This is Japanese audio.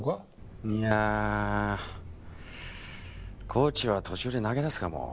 コーチは途中で投げ出すかも。